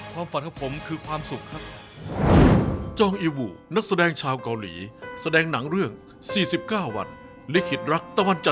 ความฝันของผมคือความสุขครับ